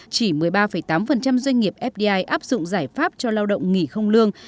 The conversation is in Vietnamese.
chỉ một mươi ba tám doanh nghiệp fdi áp dụng giải pháp cho lao động nghỉ không lương